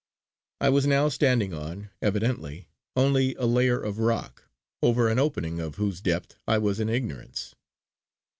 I was now standing on, evidently, only a layer of rock, over an opening of whose depth I was in ignorance.